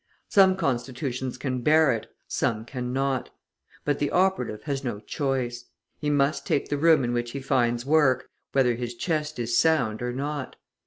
Some constitutions can bear it, some cannot; but the operative has no choice. He must take the room in which he finds work, whether his chest is sound or not.